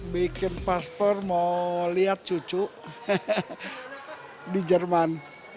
bikin paspor mau lihat cucu di jerman